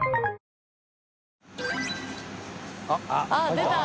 出た！